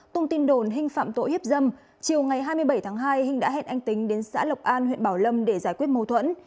tung tin đồn hinh phạm tội hiếp dâm chiều ngày hai mươi bảy tháng hai hưng đã hẹn anh tính đến xã lộc an huyện bảo lâm để giải quyết mâu thuẫn